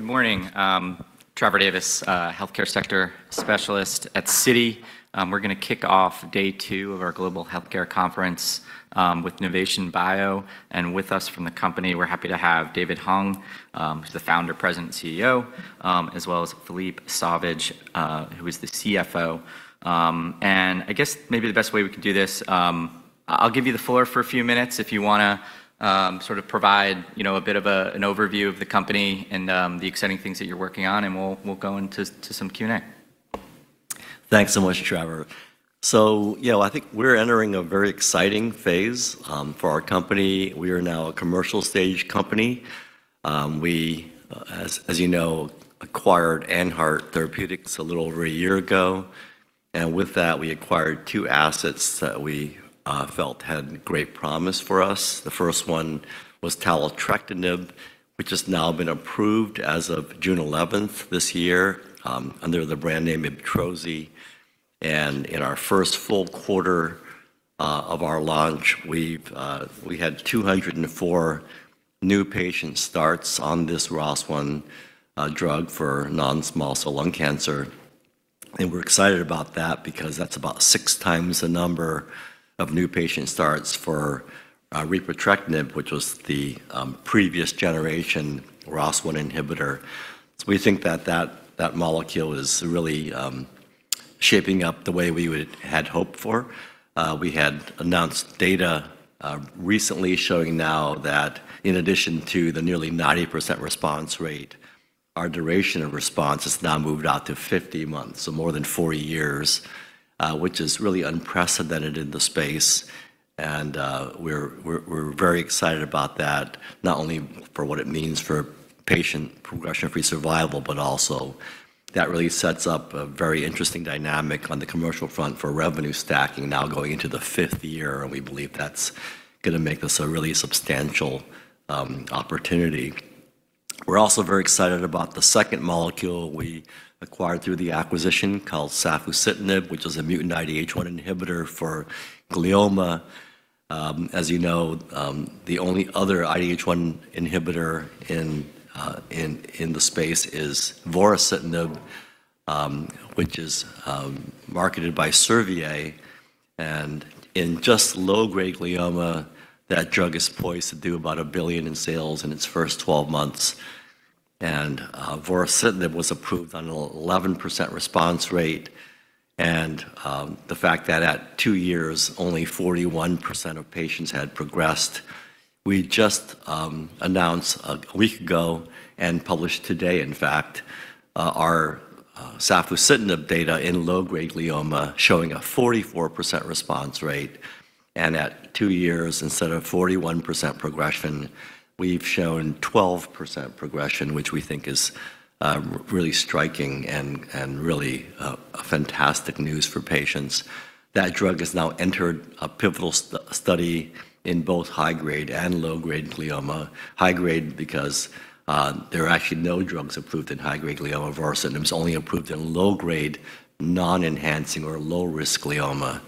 Good morning. Trevor Davis, Healthcare Sector Specialist at Citi. We're going to kick off day two of our Global Healthcare Conference with Nuvation Bio, and with us from the company, we're happy to have David Hung, who's the Founder, President, and CEO, as well as Philippe Sauvage, who is the CFO, and I guess maybe the best way we can do this. I'll give you the floor for a few minutes if you want to sort of provide, you know, a bit of an overview of the company and the exciting things that you're working on, and we'll go into some Q&A. Thanks so much, Trevor. So, you know, I think we're entering a very exciting phase for our company. We are now a commercial stage company. We, as you know, acquired AnHeart Therapeutics a little over a year ago. And with that, we acquired two assets that we felt had great promise for us. The first one was Taltrectinib, which has now been approved as of June 11th this year, under the brand name Iptrozi. And in our first full quarter of our launch, we've had 204 new patient starts on this ROS1 drug for non-small cell lung cancer. And we're excited about that because that's about six times the number of new patient starts for Repotrectinib, which was the previous generation ROS1 inhibitor. So we think that that molecule is really shaping up the way we had hoped for. We had announced data recently showing now that in addition to the nearly 90% response rate, our duration of response has now moved out to 50 months, so more than 40 years, which is really unprecedented in the space, and we're very excited about that, not only for what it means for patient progression-free survival, but also that really sets up a very interesting dynamic on the commercial front for revenue stacking now going into the fifth year, and we believe that's going to make this a really substantial opportunity. We're also very excited about the second molecule we acquired through the acquisition called safusidenib, which is a mutant IDH1 inhibitor for glioma. As you know, the only other IDH1 inhibitor in the space is vorasidenib, which is marketed by Servier. In just low-grade glioma, that drug is poised to do about $1 billion in sales in its first 12 months. Vorasidenib was approved on an 11% response rate. The fact that at two years, only 41% of patients had progressed. We just announced a week ago and published today, in fact, our Safusidenib data in low-grade glioma showing a 44% response rate. At two years, instead of 41% progression, we have shown 12% progression, which we think is really striking and really fantastic news for patients. That drug has now entered a pivotal study in both high-grade and low-grade glioma. High-grade because there are actually no drugs approved in high-grade glioma. Vorasidenib is only approved in low-grade, non-enhancing, or low-risk glioma.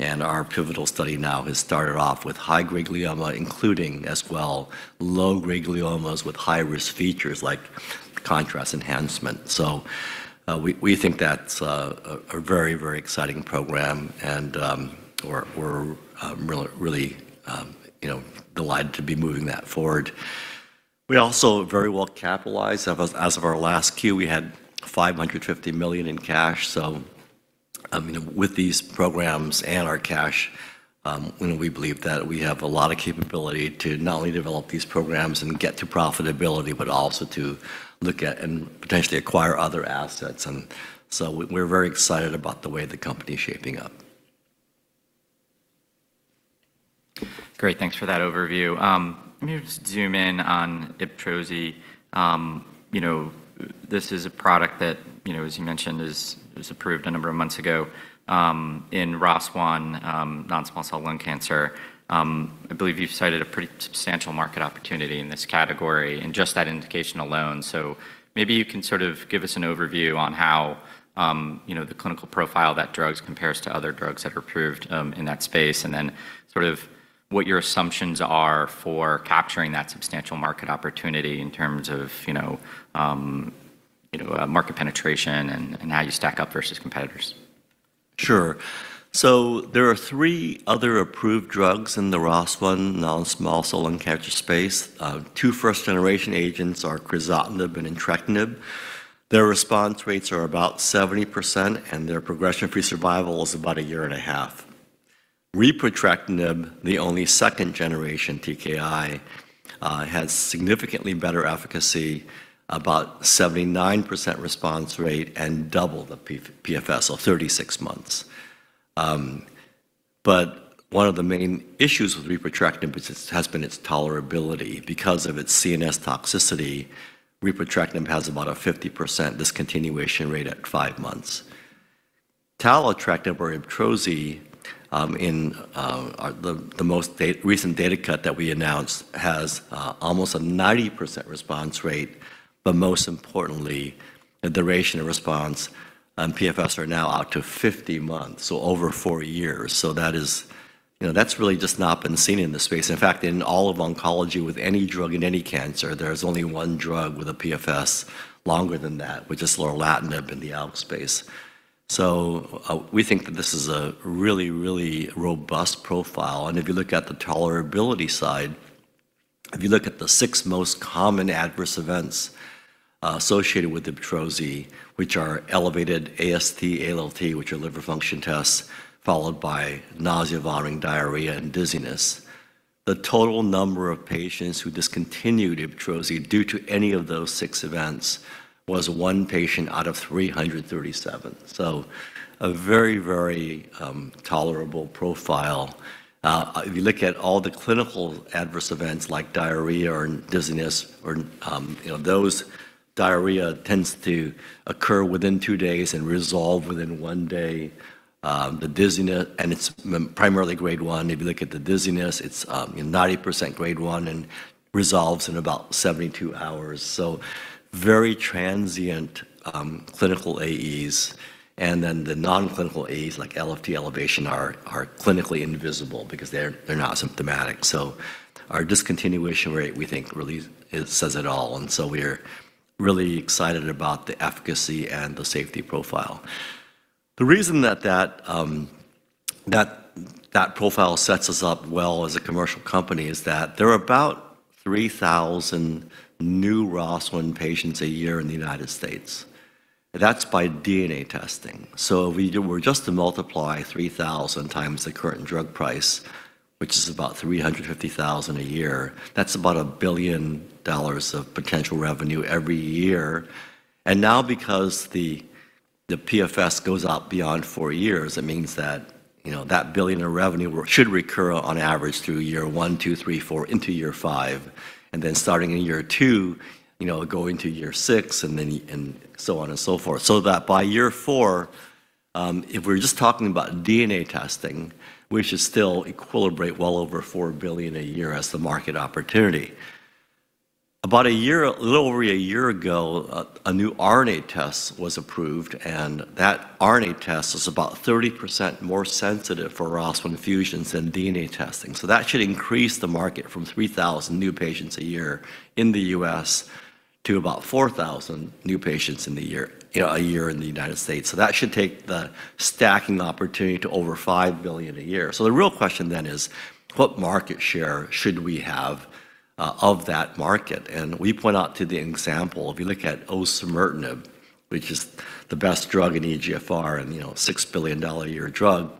Our pivotal study now has started off with high-grade glioma, including as well low-grade gliomas with high-risk features like contrast enhancement. So, we think that's a very exciting program and we're really, you know, delighted to be moving that forward. We also very well capitalized as of our last Q. We had $550 million in cash. So, you know, with these programs and our cash, you know, we believe that we have a lot of capability to not only develop these programs and get to profitability, but also to look at and potentially acquire other assets. And so we're very excited about the way the company is shaping up. Great. Thanks for that overview. Let me just zoom in on Iptrozi. You know, this is a product that, you know, as you mentioned, is approved a number of months ago, in ROS1 non-small cell lung cancer. I believe you've cited a pretty substantial market opportunity in this category and just that indication alone. So maybe you can sort of give us an overview on how, you know, the clinical profile of that drug compares to other drugs that are approved, in that space, and then sort of what your assumptions are for capturing that substantial market opportunity in terms of, you know, market penetration and how you stack up versus competitors. Sure. So there are three other approved drugs in the ROS1 non-small cell lung cancer space. Two first-generation agents are Crizotinib and Entrectinib. Their response rates are about 70%, and their progression-free survival is about a year and a half. Repotrectinib, the only second-generation TKI, has significantly better efficacy, about 79% response rate and double the PFS, so 36 months. But one of the main issues with Repotrectinib has been its tolerability. Because of its CNS toxicity, Repotrectinib has about a 50% discontinuation rate at five months. Taltrectinib or Iptrozi in the most recent data cut that we announced has almost a 90% response rate, but most importantly, the duration of response and PFS are now out to 50 months, so over four years. So that is, you know, that's really just not been seen in this space. In fact, in all of oncology, with any drug in any cancer, there's only one drug with a PFS longer than that, which is Lorlatinib in the ALK space. So, we think that this is a really, really robust profile. And if you look at the tolerability side, if you look at the six most common adverse events associated with Iptrozi, which are elevated AST, ALT, which are liver function tests, followed by nausea, vomiting, diarrhea, and dizziness, the total number of patients who discontinued Iptrozi due to any of those six events was one patient out of 337. So a very, very tolerable profile. If you look at all the clinical adverse events like diarrhea or dizziness or, you know, those. Diarrhea tends to occur within two days and resolve within one day. The dizziness, and it's primarily grade one. If you look at the dizziness, it's, you know, 90% grade one and resolves in about 72 hours. So very transient, clinical AEs. And then the non-clinical AEs like LFT elevation are clinically invisible because they're not symptomatic. So our discontinuation rate, we think, really says it all. And so we're really excited about the efficacy and the safety profile. The reason that profile sets us up well as a commercial company is that there are about 3,000 new ROS1 patients a year in the United States. That's by DNA testing. So we were just to multiply 3,000 times the current drug price, which is about $350,000 a year. That's about a billion dollars of potential revenue every year. And now, because the PFS goes out beyond four years, it means that, you know, that $1 billion of revenue should recur on average through year one, two, three, four into year five, and then starting in year two, you know, going to year six and then and so on and so forth. So that by year four, if we're just talking about DNA testing, we should still equilibrate well over $4 billion a year as the market opportunity. About a year, a little over a year ago, a new RNA test was approved, and that RNA test is about 30% more sensitive for ROS1 fusions than DNA testing. So that should increase the market from 3,000 new patients a year in the U.S. to about 4,000 new patients in the year, you know, a year in the United States. That should take the stacking opportunity to over 5 billion a year. The real question then is, what market share should we have of that market? We point out the example. If you look at Osimertinib, which is the best drug in EGFR and, you know, $6 billion a year drug,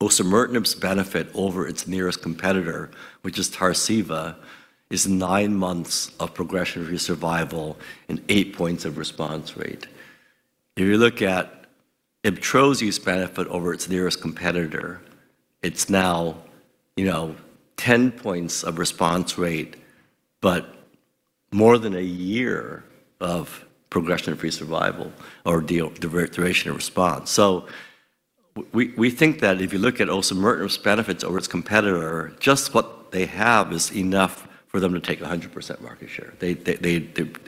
Osimertinib's benefit over its nearest competitor, which is Tarceva, is nine months of progression-free survival and eight points of response rate. If you look at Iptrozi's benefit over its nearest competitor, it's now, you know, 10 points of response rate, but more than a year of progression-free survival or duration of response. We think that if you look at Osimertinib's benefits over its competitor, just what they have is enough for them to take 100% market share. They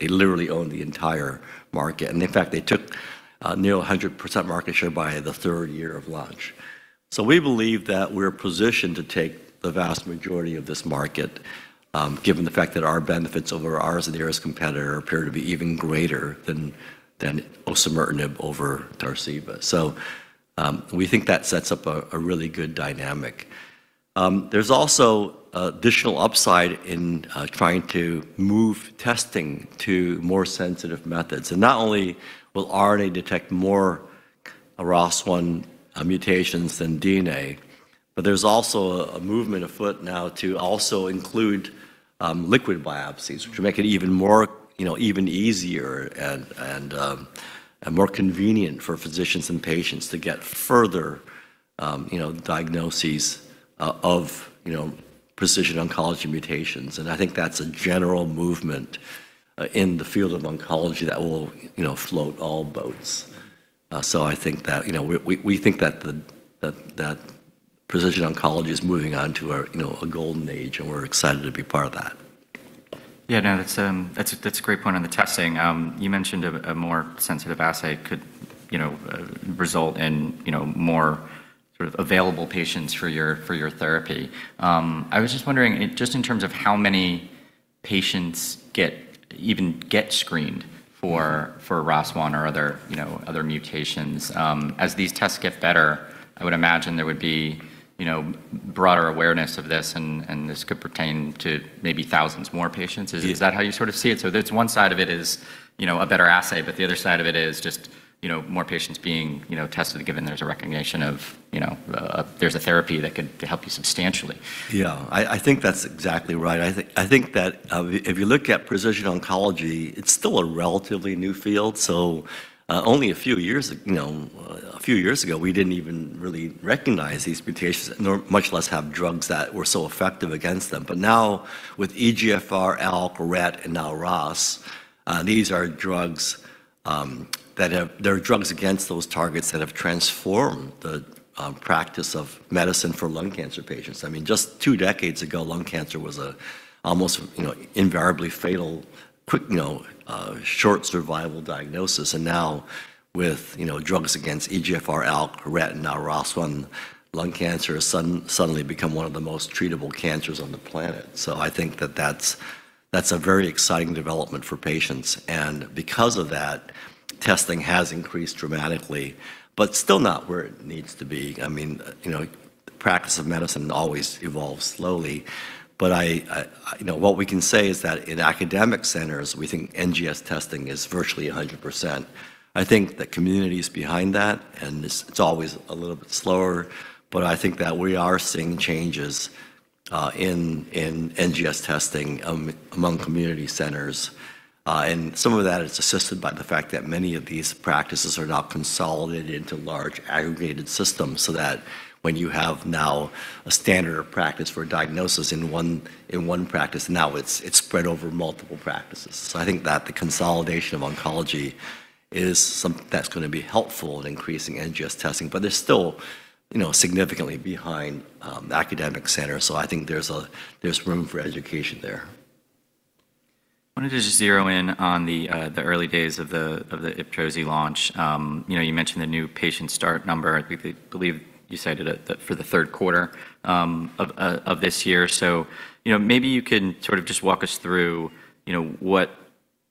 literally own the entire market. In fact, they took a near 100% market share by the third year of launch. We believe that we're positioned to take the vast majority of this market, given the fact that our benefits over ours and the nearest competitor appear to be even greater than Osimertinib over Tarceva. We think that sets up a really good dynamic. There's also additional upside in trying to move testing to more sensitive methods. Not only will RNA detect more ROS1 mutations than DNA, but there's also a movement afoot now to also include liquid biopsies, which make it even more, you know, even easier and more convenient for physicians and patients to get further, you know, diagnoses of, you know, precision oncology mutations. I think that's a general movement in the field of oncology that will, you know, float all boats. So I think that, you know, we think that precision oncology is moving on to a golden age, and we're excited to be part of that. Yeah, no, that's a great point on the testing. You mentioned a more sensitive assay could, you know, result in, you know, more sort of available patients for your therapy. I was just wondering in terms of how many patients even get screened for ROS1 or other mutations. As these tests get better, I would imagine there would be, you know, broader awareness of this, and this could pertain to maybe thousands more patients. Is that how you sort of see it? So one side of it is, you know, a better assay, but the other side of it is just, you know, more patients being tested given there's a recognition of, you know, there's a therapy that could help you substantially. Yeah, I think that's exactly right. I think that if you look at precision oncology, it's still a relatively new field. So, only a few years ago, you know, we didn't even really recognize these mutations, much less have drugs that were so effective against them. But now with EGFR, ALK, RET, and now ROS, there are drugs against those targets that have transformed the practice of medicine for lung cancer patients. I mean, just two decades ago, lung cancer was almost, you know, invariably fatal, quick, you know, short survival diagnosis. And now with, you know, drugs against EGFR, ALK, RET, and now ROS1, lung cancer has suddenly become one of the most treatable cancers on the planet. So I think that that's a very exciting development for patients. Because of that, testing has increased dramatically, but still not where it needs to be. I mean, you know, the practice of medicine always evolves slowly. But I you know, what we can say is that in academic centers, we think NGS testing is virtually 100%. I think the community's behind that, and it's always a little bit slower, but I think that we are seeing changes in NGS testing among community centers. And some of that is assisted by the fact that many of these practices are now consolidated into large aggregated systems so that when you have now a standard of practice for a diagnosis in one practice, now it's spread over multiple practices. So I think that the consolidation of oncology is something that's going to be helpful in increasing NGS testing, but there's still, you know, significantly behind academic centers. So I think there's room for education there. I wanted to just zero in on the early days of the Iptrozi launch. You know, you mentioned the new patient start number. I believe you cited it for the third quarter of this year. So, you know, maybe you can sort of just walk us through what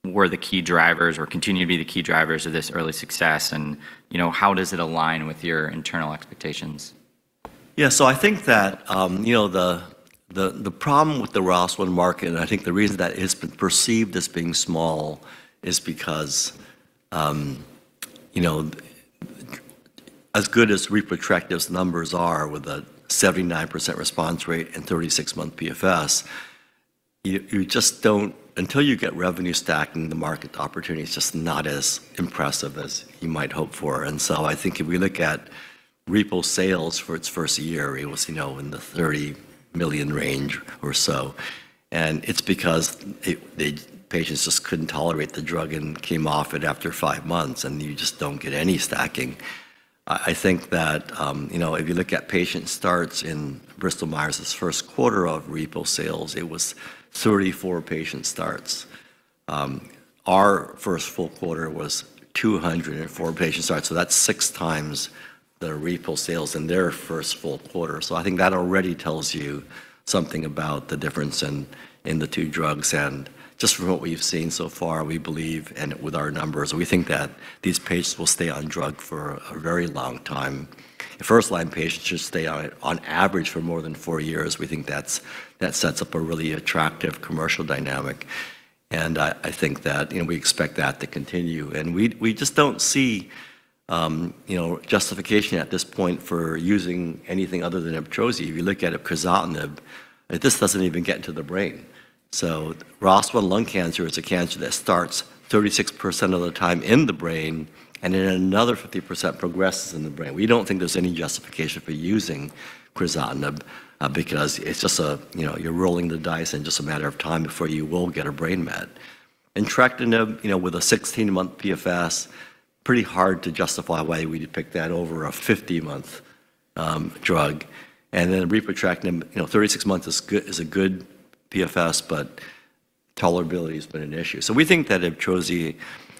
were the key drivers or continue to be the key drivers of this early success and how does it align with your internal expectations? Yeah, so I think that, you know, the problem with the ROS1 market, and I think the reason that it's been perceived as being small is because, you know, as good as Repotrectinib's numbers are with a 79% response rate and 36-month PFS, you just don't, until you get revenue stacked in the market, the opportunity is just not as impressive as you might hope for. And so I think if we look at repo sales for its first year, it was, you know, in the $30 million range or so. And it's because the patients just couldn't tolerate the drug and came off it after five months, and you just don't get any stacking. I think that, you know, if you look at patient starts in Bristol Myers' first quarter of repo sales, it was 34 patient starts. Our first full quarter was 204 patient starts. So that's six times the Repotrectinib sales in their first full quarter. So I think that already tells you something about the difference in, in the two drugs. And just from what we've seen so far, we believe, and with our numbers, we think that these patients will stay on drug for a very long time. First-line patients should stay on, on average for more than four years. We think that's, that sets up a really attractive commercial dynamic. And I, I think that, you know, we expect that to continue. And we, we just don't see, you know, justification at this point for using anything other than Iptrozi. If you look at a Crizotinib, this doesn't even get into the brain. ROS1 lung cancer is a cancer that starts 36% of the time in the brain and then another 50% progresses in the brain. We don't think there's any justification for using Crizotinib because it's just a, you know, you're rolling the dice and just a matter of time before you will get a brain met. Entrectinib, you know, with a 16-month PFS, pretty hard to justify why we picked that over a 50-month drug. And then Repotrectinib, you know, 36 months is good, is a good PFS, but tolerability has been an issue. We think that Iptrozi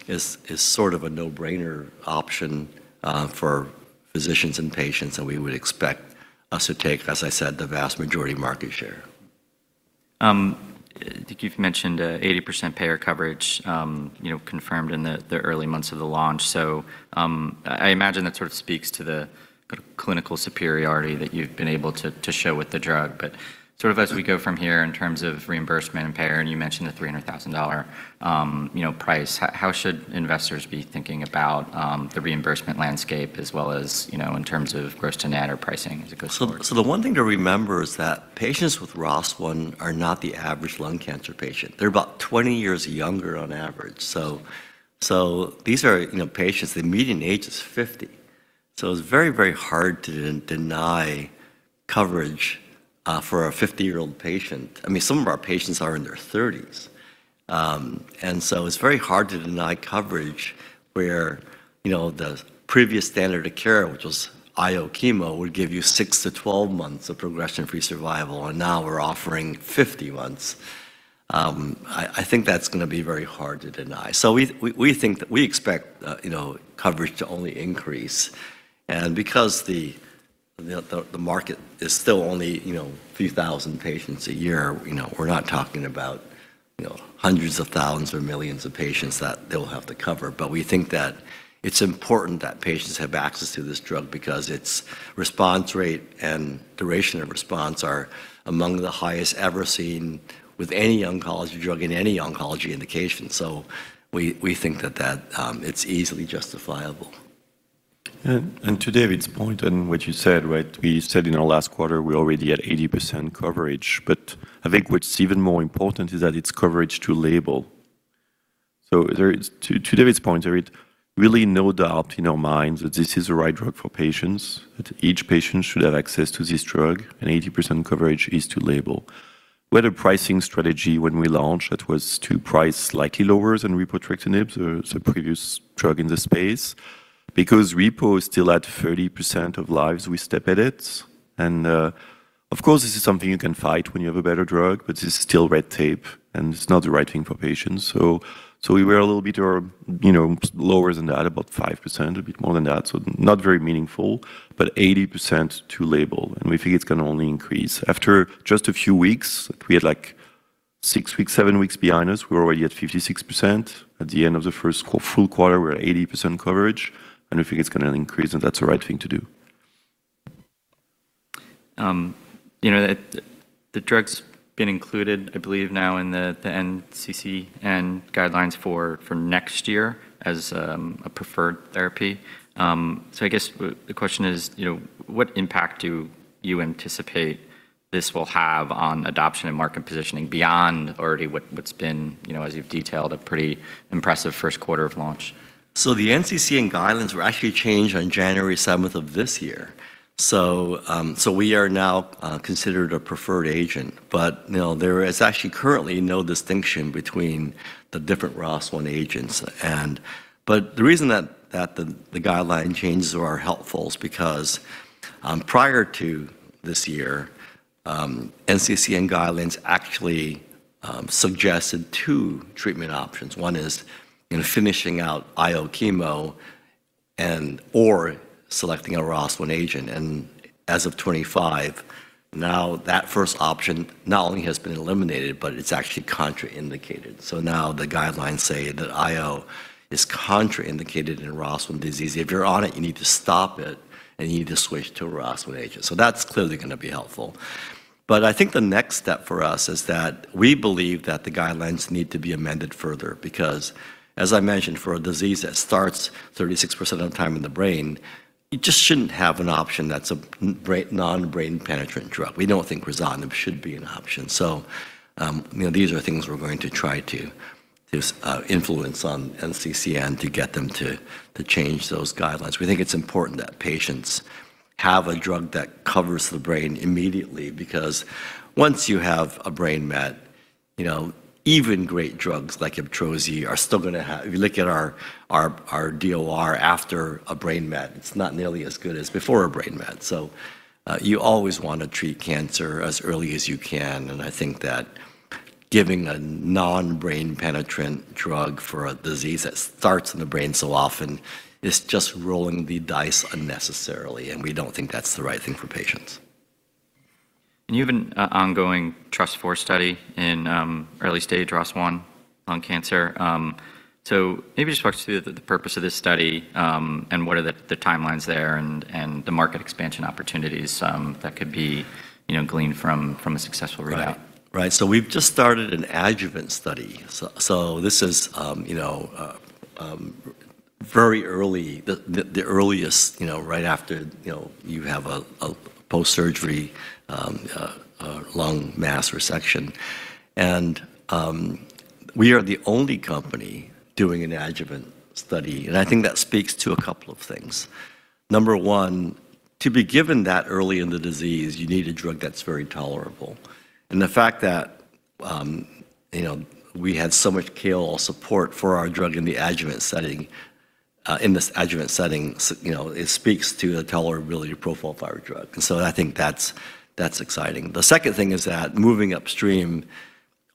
is sort of a no-brainer option for physicians and patients. And we would expect us to take, as I said, the vast majority market share. I think you've mentioned 80% payer coverage, you know, confirmed in the early months of the launch. So, I imagine that sort of speaks to the clinical superiority that you've been able to show with the drug. But sort of as we go from here in terms of reimbursement and payer, and you mentioned the $300,000, you know, price, how should investors be thinking about the reimbursement landscape as well as, you know, in terms of gross to net or pricing as it goes forward? So the one thing to remember is that patients with ROS1 are not the average lung cancer patient. They're about 20 years younger on average. So these are, you know, patients. The median age is 50. So it's very hard to deny coverage for a 50-year-old patient. I mean, some of our patients are in their 30s, and so it's very hard to deny coverage where, you know, the previous standard of care, which was IO chemo, would give you six to 12 months of progression-free survival. And now we're offering 50 months. I think that's going to be very hard to deny. So we think that we expect, you know, coverage to only increase. And because the market is still only, you know, a few thousand patients a year, you know, we're not talking about, you know, hundreds of thousands or millions of patients that they'll have to cover. But we think that it's important that patients have access to this drug because its response rate and duration of response are among the highest ever seen with any oncology drug in any oncology indication. So we think that it's easily justifiable. And to David's point and what you said, right, we said in our last quarter, we already had 80% coverage. But I think what's even more important is that it's coverage to label. So there, to David's point, there is really no doubt in our minds that this is the right drug for patients, that each patient should have access to this drug, and 80% coverage is to label. We had a pricing strategy when we launched that was to price slightly lower than Repotrectinib, the previous drug in the space, because repo is still at 30% of lives we set it at. And, of course, this is something you can fight when you have a better drug, but this is still red tape and it's not the right thing for patients. So we were a little bit, you know, lower than that, about 5%, a bit more than that. So not very meaningful, but 80% to label. And we think it's going to only increase after just a few weeks. We had like six weeks, seven weeks behind us. We were already at 56% at the end of the first full quarter. We were at 80% coverage. And we think it's going to increase. And that's the right thing to do. You know, the drug's been included, I believe now in the NCCN guidelines for next year as a preferred therapy. So I guess the question is, you know, what impact do you anticipate this will have on adoption and market positioning beyond already what's been, you know, as you've detailed, a pretty impressive first quarter of launch? So the NCCN guidelines were actually changed on January 7th of this year. So we are now considered a preferred agent. But, you know, there is actually currently no distinction between the different ROS1 agents. But the reason that the guideline changes are helpful is because, prior to this year, NCCN guidelines actually suggested two treatment options. One is, you know, finishing out IO chemo and/or selecting a ROS1 agent. And as of 2025, now that first option not only has been eliminated, but it's actually contraindicated. So now the guidelines say that IO is contraindicated in ROS1 disease. If you're on it, you need to stop it and you need to switch to a ROS1 agent. So that's clearly going to be helpful. I think the next step for us is that we believe that the guidelines need to be amended further because, as I mentioned, for a disease that starts 36% of the time in the brain, you just shouldn't have an option that's a brain, non-brain penetrant drug. We don't think Crizotinib should be an option. You know, these are things we're going to try to influence on NCCN to get them to change those guidelines. We think it's important that patients have a drug that covers the brain immediately because once you have a brain met, you know, even great drugs like Iptrozi are still going to have, if you look at our DOR after a brain met, it's not nearly as good as before a brain met. You always want to treat cancer as early as you can. I think that giving a non-brain penetrant drug for a disease that starts in the brain so often is just rolling the dice unnecessarily. We don't think that's the right thing for patients. You have an ongoing adjuvant study in early-stage ROS1 lung cancer. Maybe just walk us through the purpose of this study, and what are the timelines there and the market expansion opportunities that could be, you know, gleaned from a successful readout. Right. Right. So we've just started an adjuvant study. So this is, you know, very early, the earliest, you know, right after, you know, you have a post-surgery, lung mass resection. And we are the only company doing an adjuvant study. And I think that speaks to a couple of things. Number one, to be given that early in the disease, you need a drug that's very tolerable. And the fact that, you know, we had so much KOL support for our drug in the adjuvant setting, in this adjuvant setting, you know, it speaks to the tolerability profile of our drug. And so I think that's exciting. The second thing is that moving upstream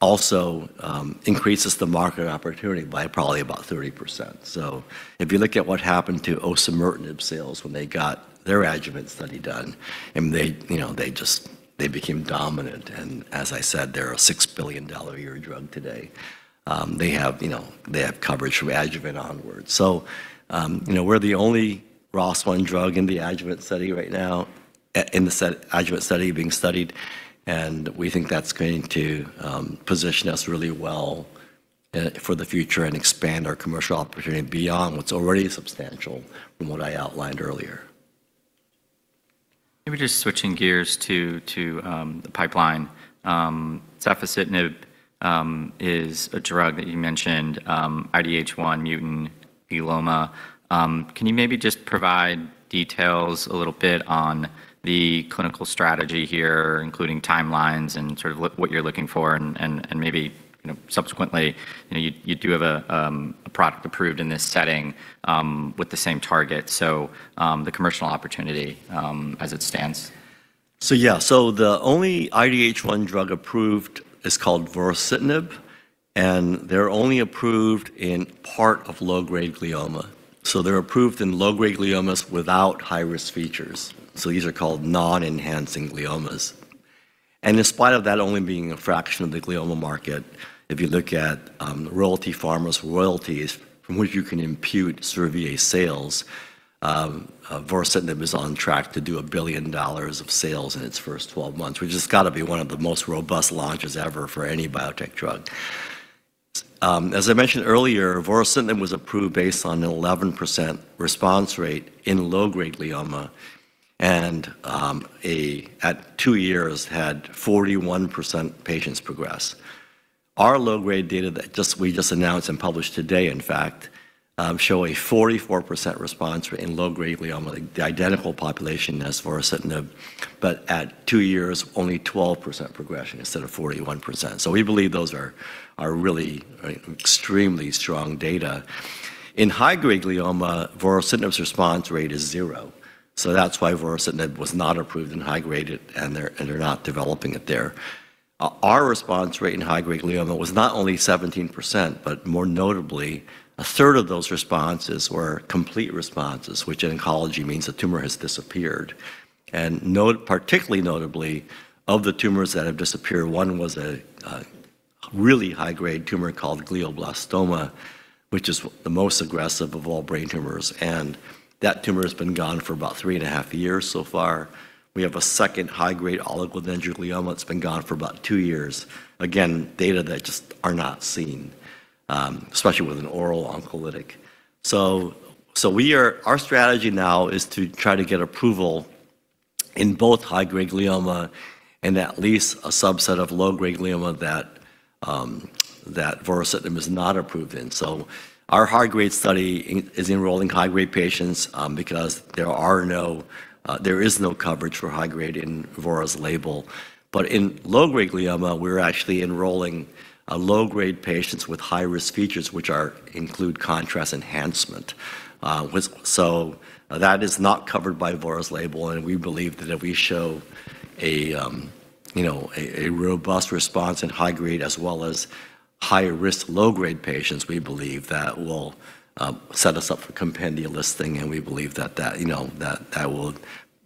also increases the market opportunity by probably about 30%. So if you look at what happened to Osimertinib sales when they got their adjuvant study done, and they, you know, they just, they became dominant. And as I said, they're a $6 billion a year drug today. They have, you know, they have coverage from adjuvant onward. So, you know, we're the only ROS1 drug in the adjuvant study right now, in the adjuvant study being studied. And we think that's going to position us really well for the future and expand our commercial opportunity beyond what's already substantial from what I outlined earlier. Maybe just switching gears to the pipeline. Safusidenib is a drug that you mentioned, IDH1 mutant glioma. Can you maybe just provide details a little bit on the clinical strategy here, including timelines and sort of what you're looking for and maybe, you know, you do have a product approved in this setting, with the same target. So, the commercial opportunity, as it stands. So yeah, the only IDH1 drug approved is called Vorasidenib. And they're only approved in part of low-grade glioma. So they're approved in low-grade gliomas without high-risk features. So these are called non-enhancing gliomas. And in spite of that only being a fraction of the glioma market, if you look at Royalty Pharma's royalties from which you can impute Servier sales, Vorasidenib is on track to do $1 billion of sales in its first 12 months, which has got to be one of the most robust launches ever for any biotech drug. As I mentioned earlier, Vorasidenib was approved based on an 11% response rate in low-grade glioma. And at two years had 41% patients progress. Our low-grade data that we just announced and published today, in fact, show a 44% response rate in low-grade glioma, the identical population as Vorasidenib, but at two years, only 12% progression instead of 41%. So we believe those are really extremely strong data. In high-grade glioma, Vorasidenib's response rate is zero. So that's why Vorasidenib was not approved in high-grade and they're not developing it there. Our response rate in high-grade glioma was not only 17%, but more notably, a third of those responses were complete responses, which in oncology means the tumor has disappeared. And note, particularly notably, of the tumors that have disappeared, one was really high-grade tumor called glioblastoma, which is the most aggressive of all brain tumors. And that tumor has been gone for about three and a half years so far. We have a second high-grade oligodendroglioma that's been gone for about two years. Again, data that just are not seen, especially with an oral oncolytic. So we are, our strategy now is to try to get approval in both high-grade glioma and at least a subset of low-grade glioma that Vorasidenib is not approved in. So our high-grade study is enrolling high-grade patients, because there is no coverage for high-grade in Vora's label. But in low-grade glioma, we're actually enrolling low-grade patients with high-risk features, which include contrast enhancement, so that is not covered by Vora's label. And we believe that if we show a you know robust response in high-grade as well as high-risk low-grade patients, we believe that will set us up for compendia listing. We believe that, you know, that will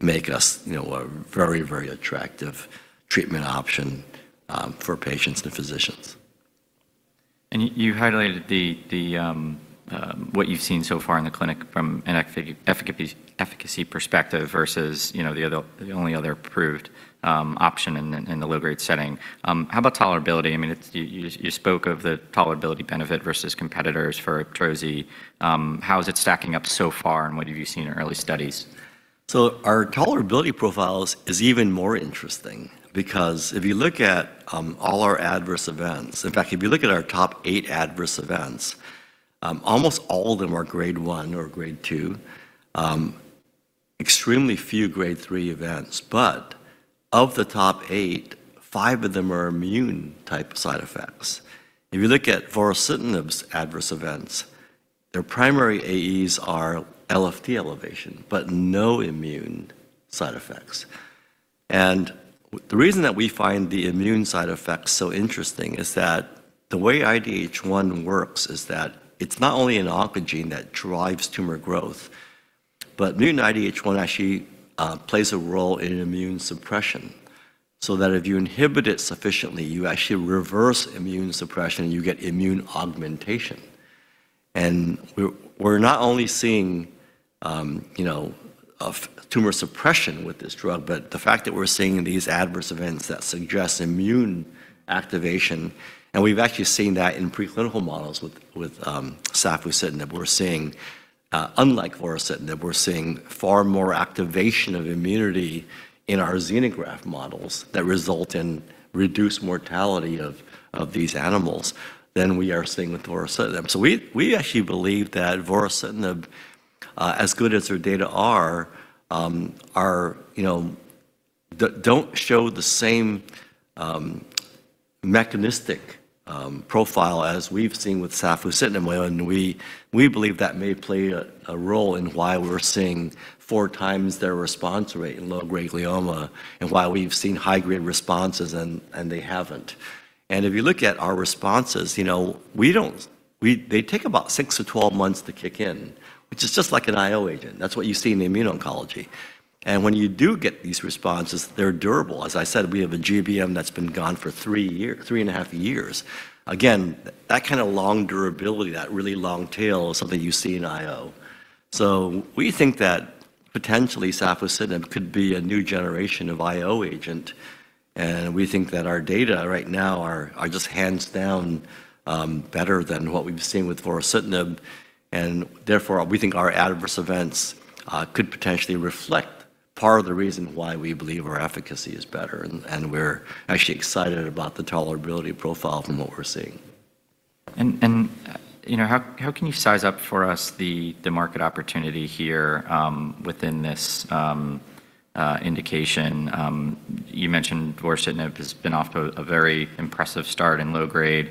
make us, you know, a very, very attractive treatment option for patients and physicians. You highlighted what you've seen so far in the clinic from an efficacy perspective versus, you know, the only other approved option in the low-grade setting. How about tolerability? I mean, you spoke of the tolerability benefit versus competitors for Iptrozi. How is it stacking up so far and what have you seen in early studies? So our tolerability profiles is even more interesting because if you look at all our adverse events, in fact, if you look at our top eight adverse events, almost all of them are grade one or grade two, extremely few grade three events. But of the top eight, five of them are immune type side effects. If you look at Vorasidenib's adverse events, their primary AEs are LFT elevation, but no immune side effects. And the reason that we find the immune side effects so interesting is that the way IDH1 works is that it's not only an oncogene that drives tumor growth, but mutant IDH1 actually plays a role in immune suppression. So that if you inhibit it sufficiently, you actually reverse immune suppression, you get immune augmentation. We're not only seeing, you know, tumor suppression with this drug, but the fact that we're seeing these adverse events that suggest immune activation. We've actually seen that in preclinical models with Safusidenib. We're seeing, unlike Vorasidenib, we're seeing far more activation of immunity in our xenograft models that result in reduced mortality of these animals than we are seeing with Vorasidenib. We actually believe that Vorasidenib, as good as our data are, you know, don't show the same mechanistic profile as we've seen with Safusidenib. We believe that may play a role in why we're seeing four times their response rate in low-grade glioma and why we've seen high-grade responses and they haven't. If you look at our responses, you know, we don't, they take about six to 12 months to kick in, which is just like an IO agent. That's what you see in immuno-oncology. And when you do get these responses, they're durable. As I said, we have a GBM that's been gone for three years, three and a half years. Again, that kind of long durability, that really long tail is something you see in IO. So we think that potentially Safusidenib could be a new generation of IO agent. And we think that our data right now are just hands down better than what we've seen with Vorasidenib. And therefore, we think our adverse events could potentially reflect part of the reason why we believe our efficacy is better. And we're actually excited about the tolerability profile from what we're seeing. You know, how can you size up for us the market opportunity here, within this indication? You mentioned Vorasidenib has been off to a very impressive start in low-grade.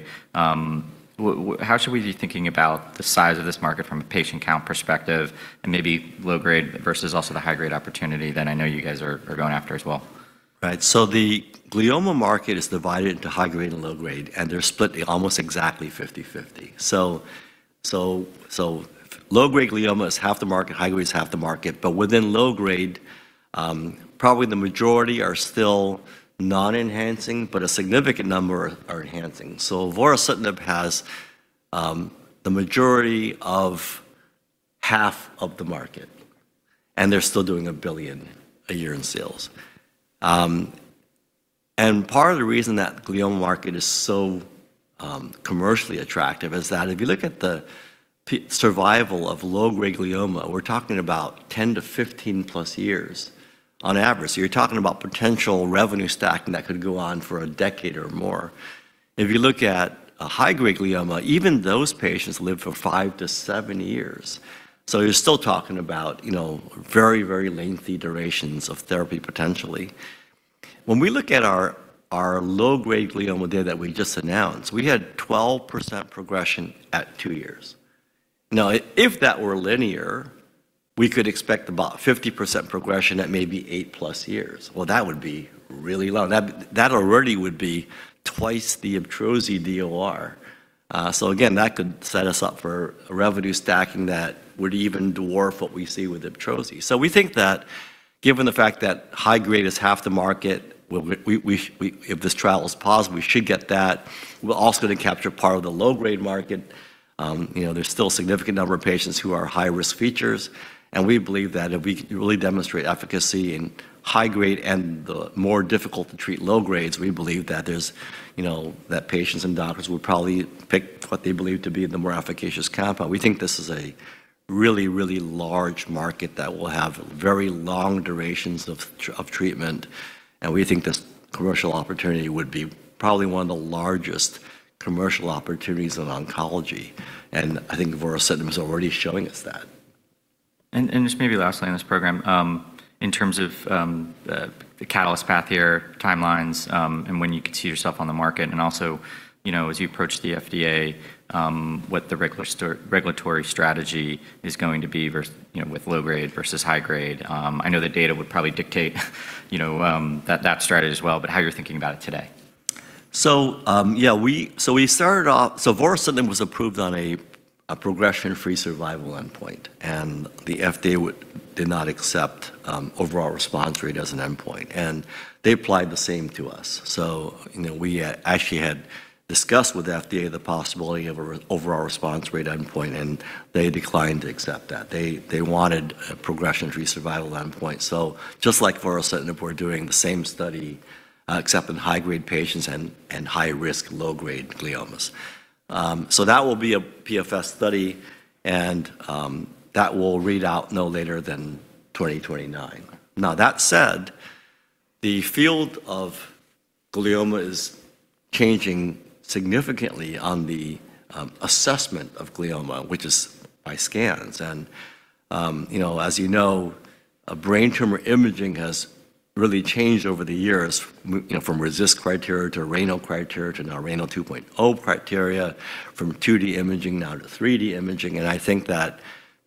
How should we be thinking about the size of this market from a patient count perspective and maybe low-grade versus also the high-grade opportunity that I know you guys are going after as well? Right. So the glioma market is divided into high-grade and low-grade, and they're split almost exactly 50/50. So low-grade glioma is half the market, high-grade is half the market. But within low-grade, probably the majority are still non-enhancing, but a significant number are enhancing. So Vorasidenib has the majority of half of the market, and they're still doing $1 billion a year in sales, and part of the reason that glioma market is so commercially attractive is that if you look at the survival of low-grade glioma, we're talking about 10 to 15 plus years on average. So you're talking about potential revenue stacking that could go on for a decade or more. If you look at a high-grade glioma, even those patients live for five to seven years. So you're still talking about, you know, very, very lengthy durations of therapy potentially. When we look at our low-grade glioma data that we just announced, we had 12% progression at two years. Now, if that were linear, we could expect about 50% progression at maybe eight plus years, well, that would be really long. That already would be twice the Iptrozi DOR, so again, that could set us up for revenue stacking that would even dwarf what we see with Iptrozi. So we think that given the fact that high-grade is half the market, we, if this trial is positive, we should get that. We're also going to capture part of the low-grade market, you know, there's still a significant number of patients who are high-risk features. We believe that if we can really demonstrate efficacy in high-grade and the more difficult to treat low-grades, we believe that there's, you know, that patients and doctors will probably pick what they believe to be the more efficacious compound. We think this is a really, really large market that will have very long durations of treatment. We think this commercial opportunity would be probably one of the largest commercial opportunities in oncology. I think Vorasidenib is already showing us that. And just maybe lastly on this program, in terms of the catalyst path here timelines, and when you could see yourself on the market and also, you know, as you approach the FDA, what the regulatory strategy is going to be versus, you know, with low-grade versus high-grade. I know the data would probably dictate, you know, that strategy as well, but how you're thinking about it today. Yeah, we started off. Vorasidenib was approved on a progression-free survival endpoint. The FDA did not accept overall response rate as an endpoint. They applied the same to us. You know, we actually had discussed with the FDA the possibility of an overall response rate endpoint, and they declined to accept that. They wanted a progression-free survival endpoint. Just like Vorasidenib, we are doing the same study, except in high-grade patients and high-risk low-grade gliomas. That will be a PFS study, and that will read out no later than 2029. Now, that said, the field of glioma is changing significantly in the assessment of glioma, which is by scans. You know, as you know, brain tumor imaging has really changed over the years, you know, from RECIST criteria to RANO criteria to now RANO 2.0 criteria, from 2D imaging now to 3D imaging. I think that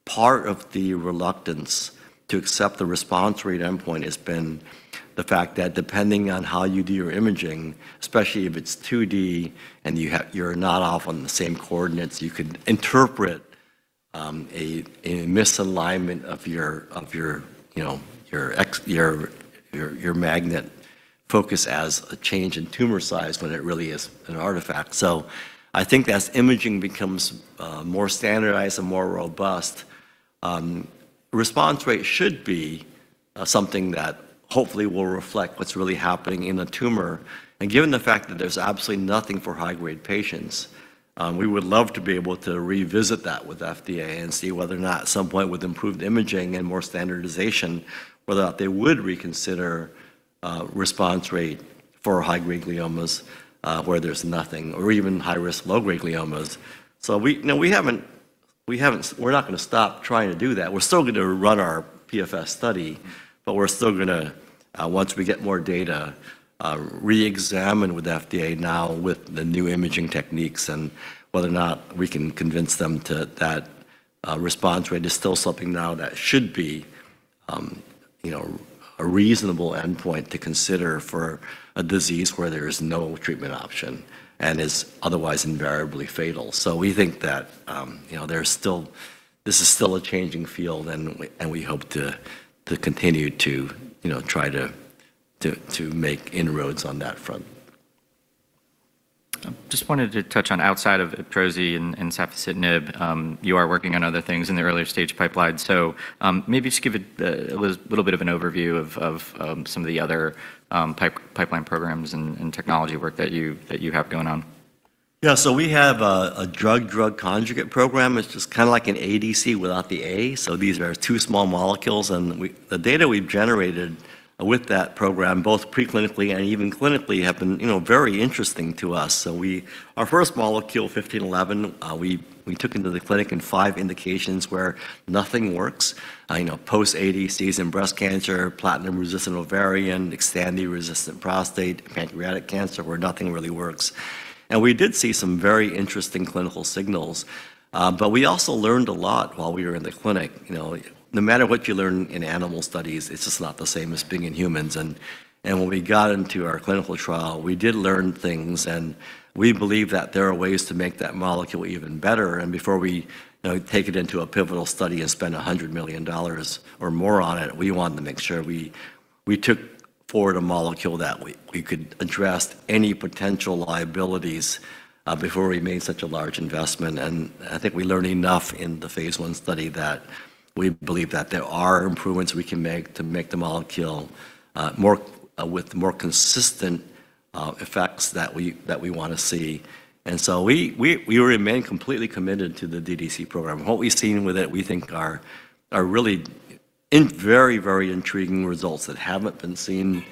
part of the reluctance to accept the response rate endpoint has been the fact that depending on how you do your imaging, especially if it's 2D and you have you're not off on the same coordinates, you could interpret a misalignment of your you know your magnet focus as a change in tumor size when it really is an artifact. So I think as imaging becomes more standardized and more robust, response rate should be something that hopefully will reflect what's really happening in the tumor. Given the fact that there's absolutely nothing for high-grade patients, we would love to be able to revisit that with the FDA and see whether or not at some point with improved imaging and more standardization, whether or not they would reconsider response rate for high-grade gliomas, where there's nothing or even high-risk low-grade gliomas. We, you know, we haven't. We're not going to stop trying to do that. We're still going to run our PFS study, but we're still going to, once we get more data, re-examine with the FDA now with the new imaging techniques and whether or not we can convince them to that, response rate is still something now that should be, you know, a reasonable endpoint to consider for a disease where there is no treatment option and is otherwise invariably fatal. So we think that, you know, there's still this is still a changing field and we hope to continue to, you know, try to make inroads on that front. I just wanted to touch on outside of Iptrozi and Safusidenib, you are working on other things in the early stage pipeline, so maybe just give it a little bit of an overview of some of the other pipeline programs and technology work that you have going on. Yeah. So we have a drug-drug conjugate program. It's just kind of like an ADC without the A. So these are two small molecules and the data we've generated with that program, both preclinically and even clinically have been, you know, very interesting to us. So our first molecule NUV-1511, we took into the clinic in five indications where nothing works, you know, post-ADCs in breast cancer, platinum-resistant ovarian, Xtandi-resistant prostate, pancreatic cancer where nothing really works. We did see some very interesting clinical signals. But we also learned a lot while we were in the clinic. You know, no matter what you learn in animal studies, it's just not the same as being in humans. When we got into our clinical trial, we did learn things and we believe that there are ways to make that molecule even better. And before we, you know, take it into a pivotal study and spend $100 million or more on it, we wanted to make sure we took forward a molecule that we could address any potential liabilities before we made such a large investment. And I think we learned enough in the phase one study that we believe that there are improvements we can make to make the molecule with more consistent effects that we want to see. And so we remain completely committed to the DDC program. What we've seen with it, we think are really intriguing results that haven't been seen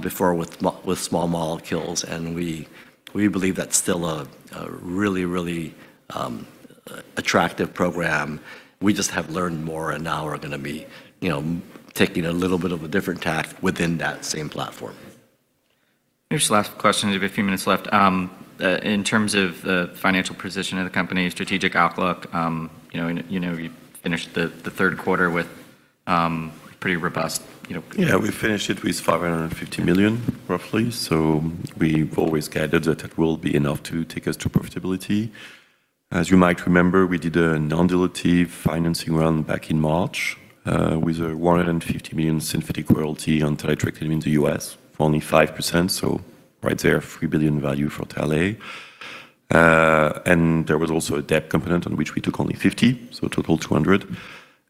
before with small molecules. And we believe that's still a really attractive program. We just have learned more and now we're going to be, you know, taking a little bit of a different tack within that same platform. Here's the last question. We have a few minutes left. In terms of the financial position of the company, strategic outlook, you know, you finished the third quarter with pretty robust, you know. Yeah, we finished it with $550 million roughly. So we've always guided that it will be enough to take us to profitability. As you might remember, we did a non-dilutive financing run back in March, with a $150 million synthetic royalty on taletrectinib in the U.S. for only 5%. So right there, $3 billion value for taletrectinib. And there was also a debt component on which we took only $50 million, so total $200 million.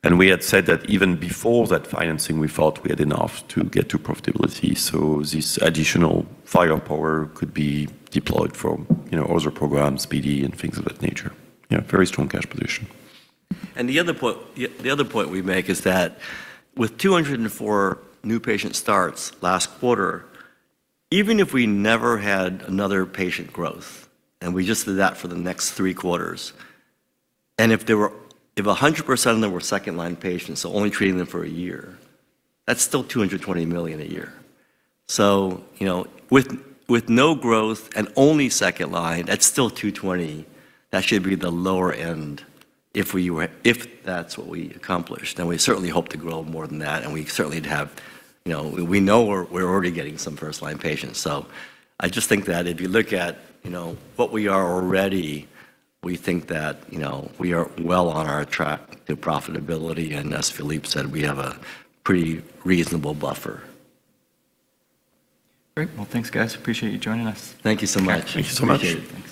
And we had said that even before that financing, we thought we had enough to get to profitability. So this additional firepower could be deployed for, you know, other programs, R and D and things of that nature. Yeah, very strong cash position. The other point, the other point we make is that with 204 new patient starts last quarter, even if we never had another patient growth and we just did that for the next three quarters, and if 100% of them were second line patients, so only treating them for a year, that's still $220 million a year. You know, with, with no growth and only second line, that's still 220. That should be the lower end if that's what we accomplished. We certainly hope to grow more than that. We certainly have, you know, we know we're, we're already getting some first line patients. I just think that if you look at, you know, what we are already, we think that, you know, we are well on our track to profitability. As Philippe said, we have a pretty reasonable buffer. Great. Well, thanks guys. Appreciate you joining us. Thank you so much. Thank you so much.